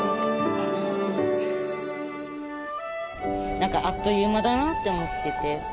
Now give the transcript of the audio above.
何かあっという間だなって思ってて。